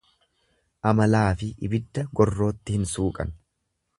Amalaafi ibidda gorrootti hin suuqan.